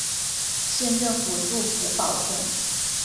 县政府驻普保镇。